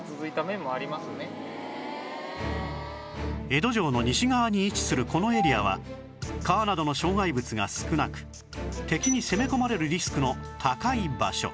江戸城の西側に位置するこのエリアは川などの障害物が少なく敵に攻め込まれるリスクの高い場所